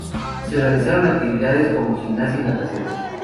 Se realizaban actividades como gimnasia y natación.